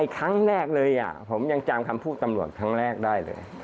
ครั้งแรกเลยผมยังจำคำพูดตำรวจครั้งแรกได้เลย